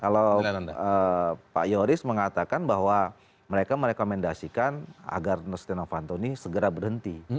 kalau pak yoris mengatakan bahwa mereka merekomendasikan agar setia novanto ini segera berhenti